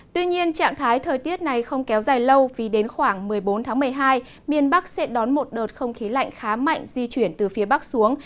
tuy nhiên trạng thái thời tiết này không kéo dài lâu vì đến khoảng một mươi bốn tháng một mươi hai miền bắc sẽ đón một đợt không khí lạnh khá mạnh di chuyển từ phía bắc xuống